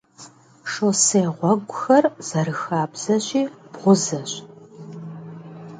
Шоссе гъуэгухэр, зэрыхабзэщи, бгъузэщ.